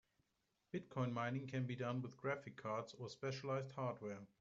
Bitcoin mining can be done with graphic cards or with specialized hardware.